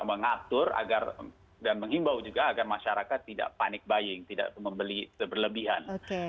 dan mengaksa dan mengatur agar dan mengimbau juga agar masyarakat tidak panik buying tidak membeli berlebihan